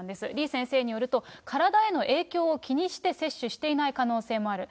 李先生によると、体への影響を気にして、接種していない可能性もある。